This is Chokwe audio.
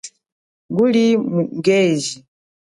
Nguli mu ungeji.